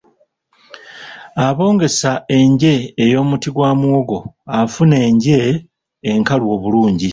Abongesa enje ey'omuti gwa muwogo, afuna enje enkalu obulungi.